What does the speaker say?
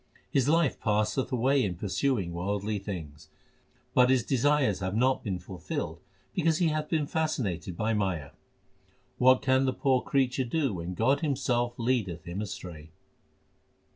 His life passeth away in pursuing worldly things, But his desires have not been fulfilled because he hath been fascinated by Maya. What can the poor creature do when God Himself leadeth him astray